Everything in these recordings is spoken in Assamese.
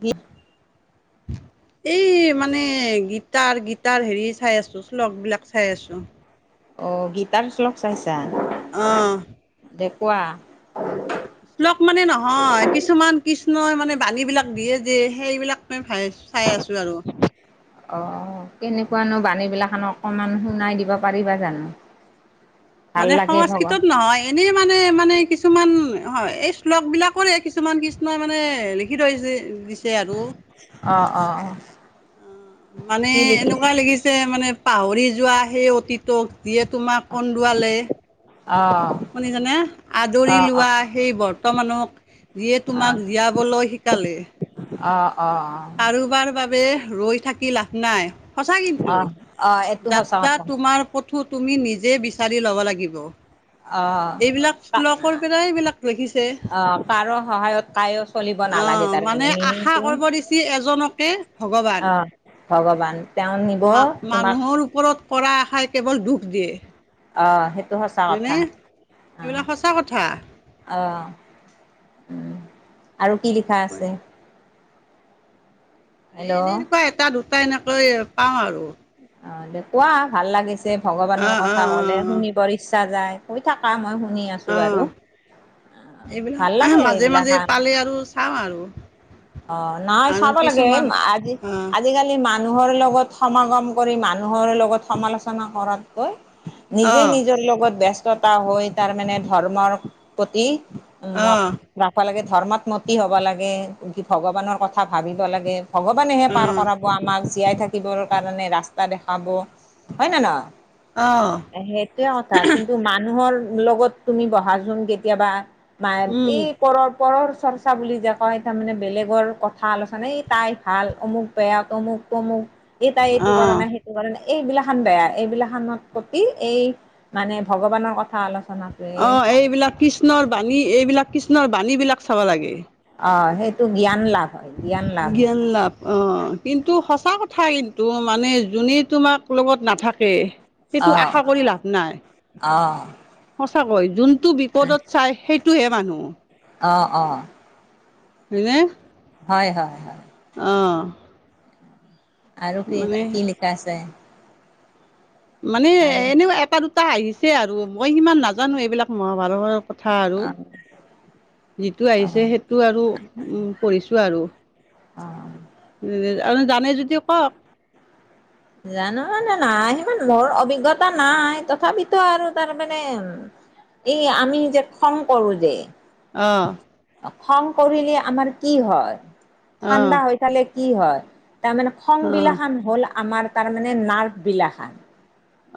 বি [unintelligible] [unintelligible] এই মানে গিটাৰ, গিটাৰ হেৰি চাই আছোঁ, শ্ল'গ, বিলাক চাই আছোঁ। অ', গীটাৰ শ্লগ চাইছা। অ'। তে কোৱা? শ্লোক মানে নহয়, কিছুমান কৃষ্ণই মানে বাণী বিলাক দিয়ে যে সেইবিলাক। মই ভাই চাই আছোঁ আৰু। অ', কেনেকুৱানো বানীবিলাকনো অকমান শুনাই দিব পাৰিবা জানো? ভাল মানে লাগে ভগৱান সংস্কৃতত নহয়। এনেই মানে, মানে কিছুমান হয় এই শ্লোকবিলাকৰে কিছুমান কৃষ্ণই মানে লিখি থৈ দিছে আৰু। অ', অ', অ'। মানে কি লিখিছে এনেকুৱা লাগিছে মানে পাহৰি যোৱা সেই অতীতক যিয়ে তোমাক কন্দোৱালে। অ' শুনিছানে আদৰি অ' অ' লোৱা সেই বৰ্তমানক যিয়ে তোমাক জীয়াবলৈ শিকালে। অ', অ', অ'। কাৰোবাৰ বাবে ৰৈ থাকি লাভ নাই। সঁচা কিন্তু অ' অ' এইটো সঁচা যাত্ৰা কথা তোমাৰ পথো তুমি নিজে বিচাৰি ল'ব লাগিব। অ' এইবিলাক শ্লোক পৰাই এইবিলাক লিখিছে। কাৰৰ সহায়ত তাই চলিব নালাগে অ' তাৰ মানে আশা মিনিংটো কৰিব দিছি এজনকে ভগৱান। অ'। ভগৱান তেওঁ নিব মা তোমাক মানুহৰ ওপৰত কৰা আশাই কেৱল দুখ দিয়ে। অ', সেইটো সঁচা হয়নে? কথা এইবিলাক অ'। সঁচা কথা। অ', আৰু কি লিখা আছে? এ, হেল্ল' এনে এনেকুৱা অ' এটা দুটা এনেকৈ পাওঁ আৰু। অ', দে কোৱা ভাল লাগিছে ভগৱানৰ অ' কথা অ' কলে অ' অ' শুনিবৰ ইচ্ছা যায়। কৈ থাকা মই শুনি আছোঁ অ' বাৰু এইবিলাক ভাল লাগে মাজে মাজে এইবিলাক পালে আৰু চাওঁ আৰু। অ', নহয় আৰু চাব লাগে কিছুমান অ' আজি-আজিকালি মানুহৰ লগত সমাগম কৰি মানুহৰ লগত সমালোচনা কৰাতকৈ। নিজে অ', নিজৰ লগত ব্যস্ততা হৈ তাৰ মানে ধৰ্মৰ প্ৰতি অ', মত ৰাখাব লাগে ধৰ্মত মতি হ'ব লাগে, কি ভগৱানৰ কথা ভাবিব লাগে। ভগৱানেহে পাৰ অ', কৰাব আমাক জীয়াই থাকিবৰ কাৰণে ৰাস্তা দেখাব হয় না নহয়। অ', সেইটোয়ে কথা, কিন্তু মানুহৰ লগত তুমি বহাচোন কেতিয়াবা। মায় এই উম, পৰৰ, পৰৰ চৰ্চা বুলি যে কয়। তাৰমানে বেলেগৰ কথা আলোচনা এই তাই ভাল অমুক বেয়া তমুক, তমুক। এই তাই এইটো কৰা অ', নাই, সেইটো কৰা নে এইবিলা খান বেয়া এইবিলা খানত কতি এই মানে ভগৱানৰ কথা আলোচনাত অ', এইবিলাক কৃষ্ণৰ বাণী এইবিলাক কৃষ্ণৰ বাণীবিলাক চাব লাগে। অ', সেইটো জ্ঞান লাভ হয় জ্ঞান লাভ হয়। জ্ঞান অ', কিন্তু সঁচা কথা কিন্তু মানে জোনে তোমাক লগত নাথাকে। সেইটো অ আশা কৰি লাভ নাই। অ'। সঁচাকৈ যোনটো বিপদত চাই সেইটোহে মানুহ। অ', অ'। হয় নে? হয়, হয়। হয় আৰু কি, মানে কি লিখা আছে? মানে আৰু এনেও এটা দুটা আহিছে আৰু মই সিমান নাজানো এইবিলাক মহাভাৰতৰ কথা আৰু অ যিটো আহিছে সেই অ সেইটো আৰু পঢ়িছোঁ আৰু অ জানে যদি কওক? জানো মানে নাই সিমান মোৰ অভিজ্ঞতা নাই, তথাপিতো আৰু তাৰ মানে এই আমি যে খং কৰো যে, অ', খং কৰিলে আমাৰ কি হয়, অঁ ঠাণ্ডা হৈ থালে কি হয়? তাৰমানে খং অঁ বিলাখান হ'ল আমাৰ তাৰ মানে নাৰ্ভ বিলাখান।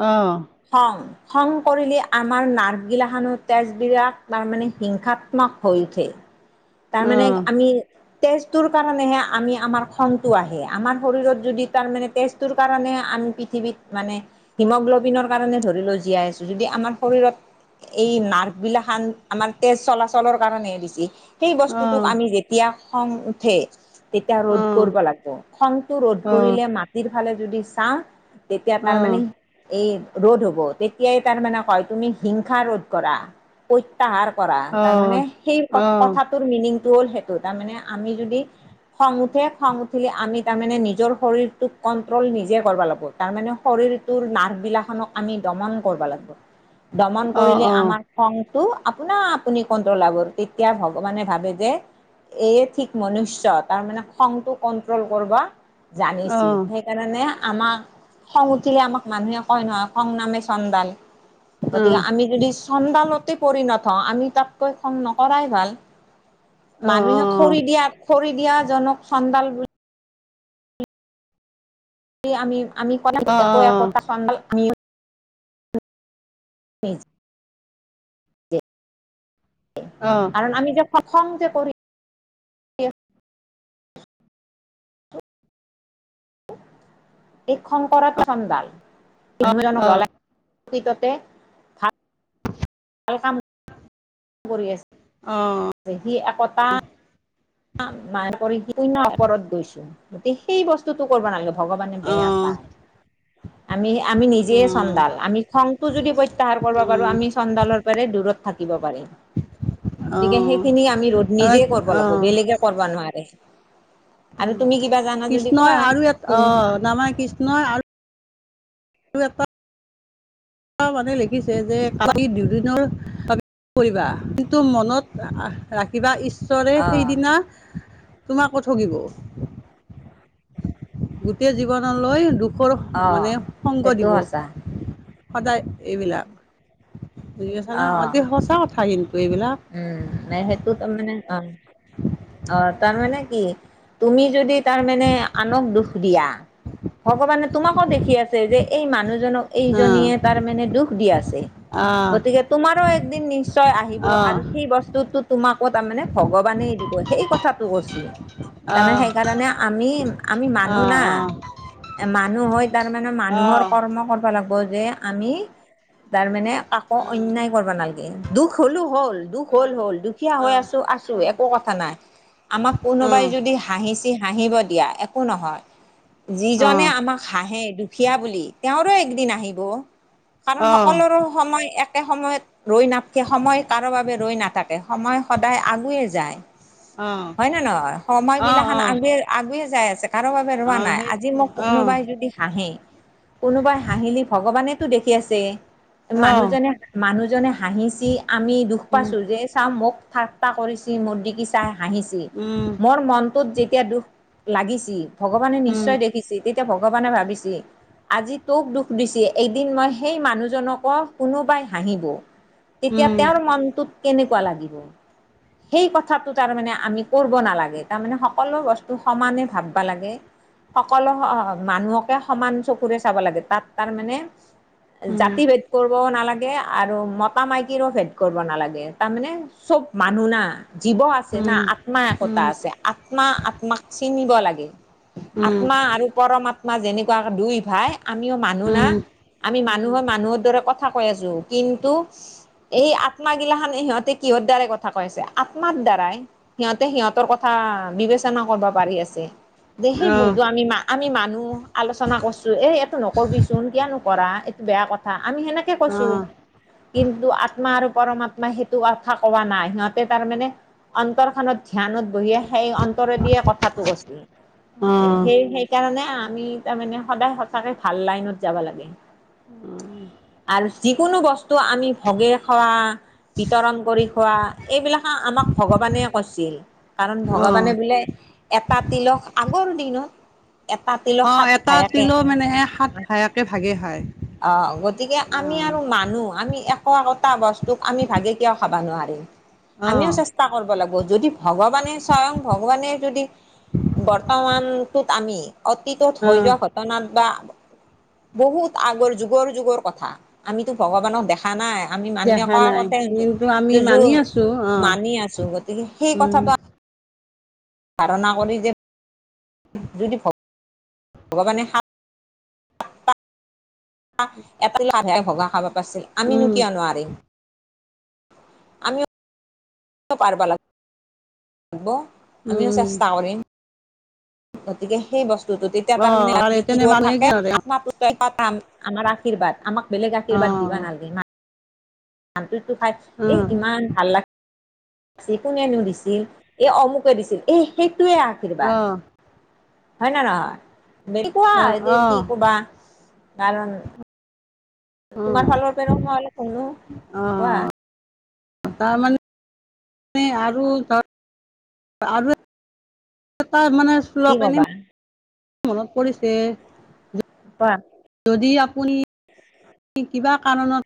অ', খং খং কৰিলে আমাৰ নাৰ্ভগিলা খানো তেজ বিলাগ তাৰমানে হিংসাত্মক হৈ উঠে। অ [inaudible] তাৰ মানে আমি, তেজ টো কাৰণে আমি আমাৰ খন আহে, আমাৰ শৰীৰত যদি তাৰে তেজ তোৰ কাৰণে আমি পৃথিৱীত মানে হিমগ্ল'বিনৰ কাৰণে ধৰি লও জীয়াই আছো। যদি আমাৰ শৰীৰত এই নাৰ্ভ বিলাকখান আমাৰ তেজ চলাচলৰ কাৰণে বেছি। সেই বস্তুটোক অঁ আমি যেতিয়া খং উঠে। তেতিয়া ৰ'দ অঁ কৰিব লাগিব খংটো ৰ'দ অঁ কৰিলে মাটিৰ ফালে যদি চাও। তেতিয়া অঁ অঁ তাৰমানে এই ৰোধ হ'ব, তেতিয়াই তাৰ মানে হয় তুমি হিংসা ৰোধ কৰা। প্ৰত্যাহাৰ কৰা, অঁ তাৰ অঁ মানে সেই অঁ অঁ অঁ কথাত মিনিংটো হ'ল সেইটো, তাৰ মানে আমি যদি খং উঠে খং উঠিলে আমি তাৰমানে নিজৰ শৰীৰটোক কণ্ট্ৰল নিজে কৰিব লাগিব তাৰমানে শৰীৰটোৰ নাৰ্ভবিলাকখনক আমি দমন কৰিব লাগবো। উম [inaudible] দমন কৰিলে আমাৰ খঙটো আপোনা আপুনি কন্ট্ৰল হব। তেতিয়া ভগৱানে ভাবে যে, এয়ে ঠিক মনুষ্য তাৰ মানে খংটো কন্ট্ৰোল কৰিব জানিছিল। সেইকাৰণে আমাক খং উঠিলে আমাক মানুহে কয় নহয়, খং নামে চন্দাল। গতিকে আমি যদি চংডালতে পৰি নথওঁ আমি তাতকৈ খঙ নকৰাই ভাল। অঁ অঁ অঁ অঁ অঁ মানুহে অঁ খৰি দিয়া খৰি দিয়া জনক চণ্ডাল বুলি আমি-আমি কলে একো অঁ একোটা চংদাল আমি উম, অ', কাৰণ আমি যে খঙ যে কৰিম এই খং কৰাটো চন্দাল জল আৰু কাম কৰি আছে। অ', যে সি আকৌ টা মই ওপৰত গৈছো গতিকে সেই বস্তুতটো কৰিব নালাগে। ভগৱানে বেয়া পায়। উম [inaudible] আমি আমি নিজে চন্দাল আমি খংটো যদি প্ৰত্যাহাৰ কৰিব পাৰোঁ, আমি চন্দালৰ পৰা দূৰত থাকিব পাৰিম। উম [inaudible] গতিকে সেইখিনি আমি ৰোধ নিজে কৰিব অঁ লাগিবো। বেলেগে কৰিব নোৱাৰে। আৰু তুমি কিবা জানা যদি কোৱা কৃষ্ণই আৰু এ অ, শুনি তাৰমানে কৃষ্ণই আৰু আৰু এটা মানে লিখিছে যে কালি দুদিনৰ কৰিবা কিন্তু মনত ৰাখিবা ঈশ্বৰে অ সেইদিনা, তোমাকো ঠগিব, গোটেই জীৱনলৈ দুখ মানে সংগ সেইটোও দিব আঁছা। সদায় এইবিলাক, বুজি পাইছা না অ অতি সঁচা কথা কিন্তু এইবিলাক। উম, নে সেইটো তাৰমানে অ' অ', তাৰ মানে কি, তুমি যদি তাৰ মানে আনক দুখ দিয়া ভগৱানে তোমাকো দেখি আছে, যে এই মানুহজনক অঁ এইজনীয়ে তাৰ মানে দুখ দি আছে, অঁ গতিকে তোমাৰো একদিন নিশ্চয় আহি আৰু সেই বস্তুতটো তোমাকো তাৰমানে ভগৱানেই দিব, সেই কথাটো কৈছি। তাৰমানে অঁ সেইকাৰণে আমি, আমি মানুহ না অঁ এ মানুহ হয় তাৰমানে অঁ অঁ মানুহৰ অঁ কৰ্ম লাগিব যে আমি তাৰ মানে কাকো অন্যায় কৰবা নালগে, দুখ হলো হ'ল দুখ হ'ল হ'ল দুখীয়া অঁ অঁ অঁ হৈ আছো, আছো একো কথা নাই। আমাক কোনোবাই অঁ যদি হাঁহিচে হাঁহিব দিয়া, একো নহয় যিজনে আমাক হাঁহে দুখীয়া বুলি তেওঁৰো একদিন আহিব, কাৰণ অঁ অঁ সকলোৰো সময় এক একে সময়ত ৰৈ নাথকে সময় কাৰো বাবে ৰৈ নাথাকে, সময় সদায় আগুৱে যায়। হয় নে নহয়, সময় অঁ বিলাখান অঁ আগুৱে আগুৱে যাই আছে। কাৰো বাবে ৰোৱা অঁ নাই, আজি সেইটো মোক অঁ কোনোবাই যদি হাঁহি কোনোবাই হাঁহিলি ভগৱান ভগৱানেতো দেখি আছে, অঁ মানুহজনে মানুহজনে হাঁহিচি আমি দুখ উম পাইছো। যে চাঁ মোক ঠাট্টা কৰিছি, মোৰ ডিকি চাই হাঁহিছি উম মোৰ মনটোত যেতিয়া দুখ লাগিছি ভগৱানে উম নিশ্চয় দেখিছি, তেতিয়া ভগৱানে ভাবিছি আজি তোক দুখ দিছি, এদিন মই সেই মানুহজনকো কোনোবাই হাঁহিবো। তেতিয়া উম তেওঁৰ মনটোত কেনেকুৱা লাগিব। [inaudible] সেই কথাটো তাৰ মানে আমি কৰব নালাগে, তাৰমানে সকলো বস্তু সমানে ভাববা লাগে। সকলো মানুহকে সমান চকুৰে চাব লাগে, তাত তাৰ মানে উম জাতি ভেদ কৰবও নালাগে, আৰু ম মতা-মাইকীৰো ভেদ কৰিব নালাগে, তাৰমানে চব মানুহ না জীৱ আ আছে না, উম, আত্মাএকোতা উম, আছে। আত্মা-আত্মাক চিনিব লাগে, উম, আত্মা আৰু পৰমাত্ম মা যেনেকুৱাকে দুই ভাই, আমিও মানুহ না উম, আমি উম, মানুহৰ মানুহৰ দৰে কথা কৈ আছো। কিন্তু এই আত্মাগিলাখানে সিহঁতে কিহৰ দ্বাৰাই কথা কৈছে, আত্মাৰ দ্বাৰাই। সিহঁতে সিহঁতৰ কথা বিবেচনা কৰব পাৰি আছে, যে সেই অ', ভুলতো আমি মা আমি মানুহ আলোচনা কৰছোঁ, এই এইটো নকৰিবিচোন কিয়নো কৰা এইটো বেয়া কথা আমি সেনাকে কৈছোঁ। অ', কিন্তু আত্মা আৰু পৰমাত্মাই সেইটো কথা কোৱা নাই, সিহঁতে তাৰমানে অন্তৰ খন ধ্যানত বহিয়ে সেই অন্তৰে দিয়ে কথাটো কৈছিল, অ', সেই সেইকাৰণে আমি তাৰ মানে সদায় সঁচাকে ভাল লাইনত যাব লাগে, আৰু যিকোনো বস্তু টো আমি ভগে খোৱা বিতৰণ কৰি খোৱা, এইবিলাকে আমাক ভগৱানে কৈৰছিল। কাৰণ অ', ভগৱানে বোলে, এটা তিলস আগৰ দিনত এটা তিলক অ', সাত এটা ভায়াকে তিলও মানে সাত ভায়াকে ভাগে খায়। অ', গতিকে আমি অ', আৰু মানুহ, আমি একো একোটা বস্তুক আমি ভাগে কিয় খাব নোৱাৰিম। অ', আমিও চেষ্টা কৰব লাগব, যদি ভগৱানে স্বয়ং ভগৱানে যদি বৰ্তমানটোত আমি অতীতত হৈ অ', যোৱা ঘটনাত বা বহুত আগৰ যুগৰ যুগৰ কথা, আমিতো ভগৱানক দেখা দেখা নাই, আমি মানুহে দেখা কয়া নাই কথা কিন্তু আমি মানি আছোঁ [unintelligible] অ', মানি আছো, গতিকে সেই উম, কথাটো ধাৰণা কৰি যে যদি ভগ-ভগৱানে এটা [unintelligible] ভগা খাব পাৰছিল, উম, আমিনো কিয় নোৱাৰিম। আমি পাৰ লাগ ব আমিও উম, চেষ্টা কৰিম। গতিকে সেই বস্তুতো তেতিয়া তাৰ অ', মানে তাৰে তেনে [unintelligible] মানুহে থাকে কিয় ধৰে [unintelligible] [unintelligible] আমাৰ আশীৰ্বাদ আমাক বেলেগ আশীৰ্বাদ অ', দিবা নালাগে। ধানটোটো খাই এই উম, ইমান ভাল লা কোনেনো দিছিল, এ অমুকে দিছিল, এসেইটোৱে আশীৰ্বাদ। অ', হয় নে নহয়, বে কোৱা অ', এতি কি অ', কবা কাৰণ তোমাৰ অ', ফালৰ পৰাও মই অলপ শুনো কোৱা। তাৰমানে আৰু ধ আৰু এ তাই মানে কি শ্লোক এনে কবা? মনত পৰিছে। কোৱা। যদি আপুনি কিবা কাৰণত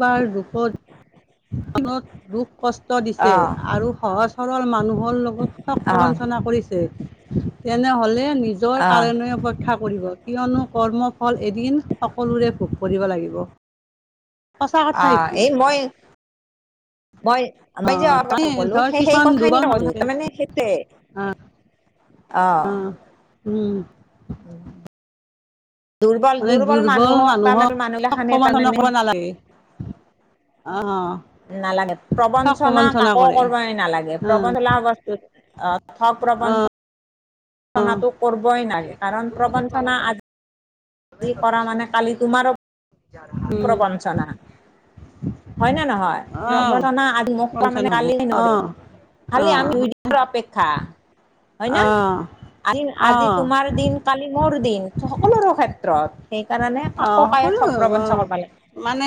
কাৰোবাৰ দুখত মনত দুখ কষ্ট দিছে অ', আৰু সহজ সৰল মানুহৰ লগত ঠগ অ', প্ৰৱঞ্চনা কৰিছে, তেনেহলে যৰ অ', কাৰণে অপেক্ষা কৰিব, কিয়নো কৰ্ম এদিন সকলোৰে ভোগ কৰিব লাগিব। সঁচা কথা আহ এইটো এই মই, মই অ [unintelligible] মানে ক'লো ধৰ সেই কিছুমান কথা খিনি দুৰ্বল এ মানুহ কলো থাকে তাৰমানে সেইটোয়ে। অ অ, উম, উম, মানে দুৰ্বল তাৰমানে মানুহক ঠগ মানুহগিলাখানে প্ৰৱঞ্চনা তাৰমানে কৰিব নালাগে। অ, নালাগে, ঠগ প্ৰৱঞ্চনা প্ৰবঞ্চনা কাকো কৰে কৰিবই নালাগে, অ প্ৰৱঞ্চনা বস্তুত অ' থগ প্ৰৱঞ্চ, নাটো কৰিবই নালাগে কাৰণ প্ৰৱঞ্চনা আজি যি কৰা মানে, কালি তোমাৰো উম, প্ৰবঞ্চনা হয় নে নহয়, প্ৰৱঞ্চনা আজি [unintelligible] মানে প্ৰবঞ্চনা হ'ব কালি অ নৰে খালি অ আমি [unintelligible] অপেক্ষা। হয় ন? অ আ আজি অ', তোমাৰ দিন। কালি মোৰ দিন। সকলোৰে ক্ষেত্ৰত, সেইকাৰণে কাকো অ', কায়ে ঠগ সকলো প্ৰৱঞ্চ অ'। কৰিব নালগে। মানে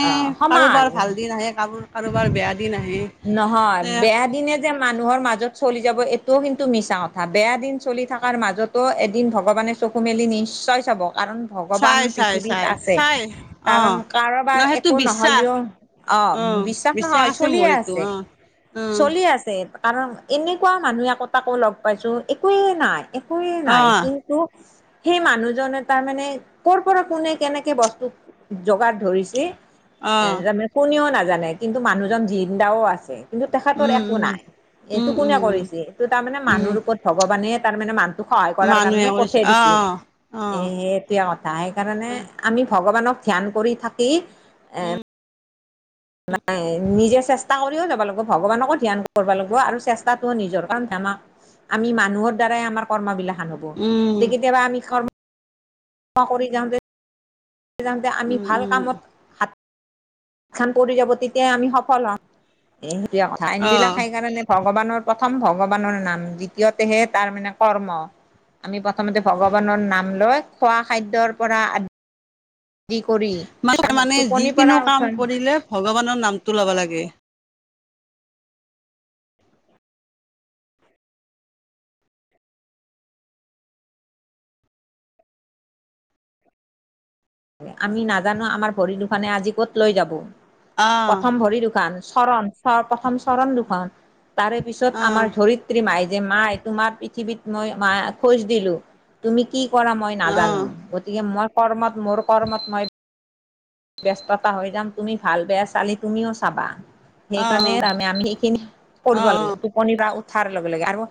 কাৰোবাৰ ভাল দিন আহে, কাৰো কাৰোবাৰ বেয়া দিন আহে। নহয়, এ বেয়া দিনে যে মানুহৰ মাজত চলি যাব এইটোও কিন্তু মিছা কথা, বেয়া দিন চলি থকাৰ মাজত তো এদিন ভগৱানে চকু মেলি নিশ্চয় চাব কাৰণ ভগৱান চাই চাই পৃথিৱীত চাই আছে, চাই কাৰণ অ'। ন কাৰোবাৰ সেইটো একো বিশ্বাস নহলেওঁ অ' বিশ্বাস নহয়, আছে মোৰ চলিয়ে এইটো আছে, অ', অ'। চলি আছে। কাৰণ এনেকুৱা মানুহ একোটাকো লগ পাইছো, একোৱে নাই একোৱে নাই, অ', কিন্তু সেই মানুহজনে তাৰ মানে ক'ৰ পৰা কোনে কেনেকে বস্তু যোগাৰ ধৰিছে, এ অ', তাৰ কোনেও নাজানে কিন্তু মানুহজন জিন্দাও আছে। কিন্তু তেখেতৰ উম, একো উম। নাই। এইটো উম, কোনে উম, উম, কৰিছে, এইটো তাৰ মানে উম, মানুহ ওপৰত ভগৱানে তাৰমানে মানুহক সহায় কৰাৰ কাৰণে পঠিয়াই অ, দিছে অ', অ' এ, এইটোৱে কথা, সেইকাৰণে আমি ভগৱানক ধ্যান কৰি থাকি এ, উম, নাই, নিজে চেষ্টা কৰি কৰিও যাব লাগিব, ভগৱানকো ধ্যান কৰিব লাগিব আৰু চেষ্টাতটো নিজৰ কাৰণ আমাক আমি মানুহৰ দ্বাৰাই আমাৰ কৰ্ম বিলাখন হ'ব, উম, গতি কেতিয়াবা আমি কৰ্ম কৰি যাওঁতে, যাওঁতে আমি উম, ভাল উম, কামত খান পৰি যাব, তেতিয়াই আমি সফল হম, এই আইন বিলাক অ'। সেইকাৰণে ভগৱানৰ প্ৰথম ভগৱানৰ নাম, দ্বিতীয়তেহে তাৰ মানে কৰ্ম। আমি প্ৰথমতে ভগৱানৰ নাম লৈ, খোৱা খাদ্যৰ পৰা দি কৰি মানে টোপনিৰ পৰা যিকোনো উঠা কাম কৰিলে ভগৱানৰ নামটো ল'ব লাগে। আমি নাজানো আমাৰ ভৰি দুখানে আজি ক'ত লৈ যাব, অ'। প্ৰথম ভৰি দুখান। চৰণ [unintelligible] প্ৰথম চৰণ দুখন, তাৰে পিছত অ', আমাৰ ধৰিত ধৰিত্ৰী মাই যে মা, তোমাৰ পৃথিৱীত মই মা খোজ দিলো। তুমি কি কৰা মই অ', নাজানো, অ', গতিকে মই কৰ্মত মোৰ কৰ্মত মই ব্যস্ততা হৈ যাম। তুমি ভাল বেয়া চালি তুমিও চাবা, সেইকাৰণে অ', [unintelligible] আমি সেইখিনি কৰব অ', লাগে। অ'। [unintelligible] উঠাৰ লগে লগে, আৰু